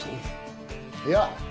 いや。